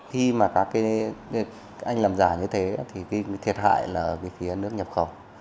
khi mà các cái anh làm giả như thế thì cái thiệt hại là ở phía nước nhập khẩu